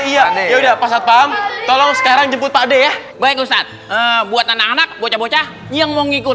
ya udah tolong sekarang jemput pak ya baik buat anak anak bocah bocah yang mau ikut